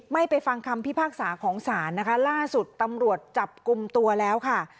ไปฟังคำพิพากษาของศาลนะคะล่าสุดตำรวจจับกลุ่มตัวแล้วค่ะ